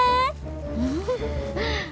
ya kan len